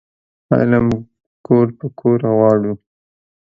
علم کور په کور غواړو